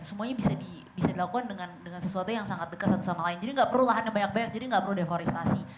semuanya bisa dilakukan dengan sesuatu yang sangat dekat satu sama lain jadi nggak perlu lahannya banyak banyak jadi nggak perlu deforestasi